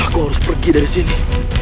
aku harus pergi dari sini